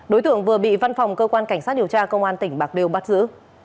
đối tượng vừa bị văn phòng cơ quan cảnh sát điều tra công an tỉnh bạc liêu bắt giữ